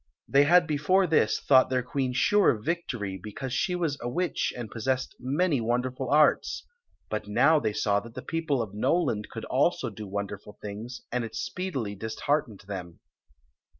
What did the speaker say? They had before this thought their queen sure of victory, because she was r witch and possessed many wonderful arts ; but now they saw that the people of Noland could also do wonderful things, and it speedily disheartened them.